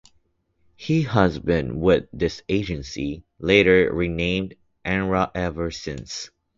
He has been with this agency, later renamed Arena, ever since.